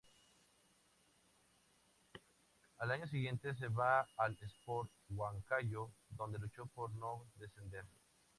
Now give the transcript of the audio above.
Al año siguiente se va al Sport Huancayo donde luchó por no descender.